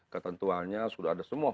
ketentuannya sudah ada semua